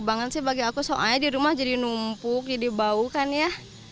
banget sih bagi aku soalnya di rumah jadi numpuk jadi bau kan ya